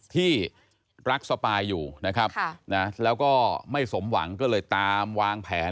ที่รักสปายอยู่นะครับแล้วก็ไม่สมหวังก็เลยตามวางแผน